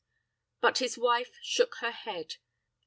"But his wife shook her head.